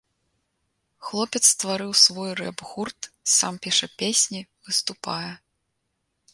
Хлопец стварыў свой рэп-гурт, сам піша песні, выступае.